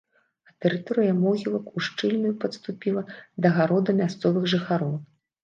А тэрыторыя могілак ушчыльную падступіла да гарода мясцовых жыхароў.